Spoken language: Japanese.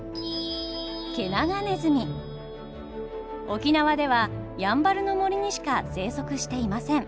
沖縄ではやんばるの森にしか生息していません。